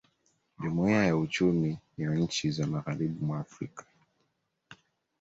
Jumuiya ya Uchumi ya Nchi za Magharibi mwa Afrika